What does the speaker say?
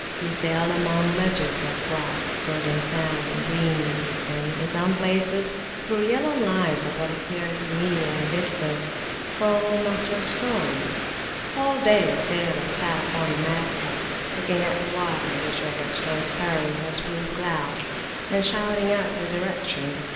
We sailed among ledges of rock, golden sands, green weeds, and in some places through yellow lines of what appeared to me at a distance foam after a storm. All day a sailor sat upon the masthead, looking at the water, which was transparent as blue glass, and shouting out the direction.